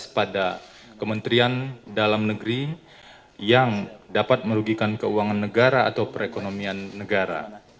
pada kementerian dalam negeri yang dapat merugikan keuangan negara atau perekonomian negara